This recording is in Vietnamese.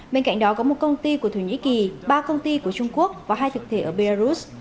bên cạnh đó có một công ty của thổ nhĩ kỳ ba công ty của trung quốc và hai thực thể ở belarus